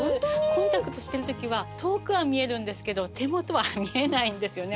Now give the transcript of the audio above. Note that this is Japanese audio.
コンタクトしてる時は遠くは見えるんですけど手元は見えないんですよね。